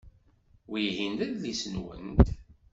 Wihin d adlis-nwent?